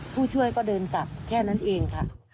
ผู้ช่วยก็เดินกลับแค่นั้นเองค่ะ